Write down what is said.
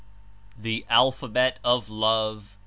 THE ALPHABET OF LOVE